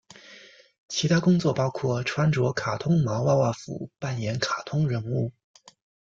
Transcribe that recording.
其他工作包括穿着卡通毛娃娃服扮演卡通人物。